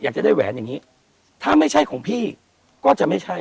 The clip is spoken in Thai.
อยากจะได้แหวนอย่างนี้ถ้าไม่ใช่ของพี่ก็จะไม่ใช่